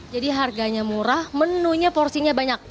jadi harganya murah menunya porsinya banyak